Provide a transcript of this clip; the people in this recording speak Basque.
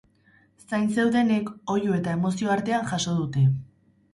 Zain zeudenek oihu eta emozio artean jaso dute.